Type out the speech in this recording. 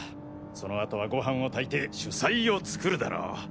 そのあとはご飯を炊いて主菜を作るだろう。